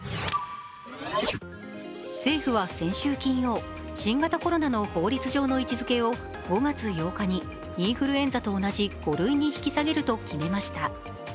政府は先週金曜、新型コロナの法律上の位置づけを５月８日にインフルエンザと同じ５類に引き下げると決めました。